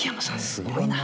すごいな。